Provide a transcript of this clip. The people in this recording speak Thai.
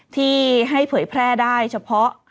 ที่ให้เผยแพร่ได้เฉพาะ